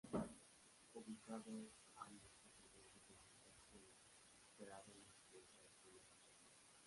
Ubicados ambos contendientes en sus posiciones, esperaron en silencio a las primeras luces.